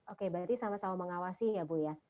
oke berarti sama sama mengawasi ya bu ya